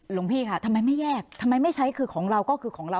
หลวงพี่ค่ะทำไมไม่แยกทำไมไม่ใช้คือของเราก็คือของเรา